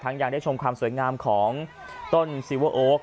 ยังได้ชมความสวยงามของต้นซีเวอร์โอ๊ค